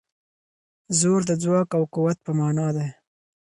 زور د ځواک او قوت په مانا دی.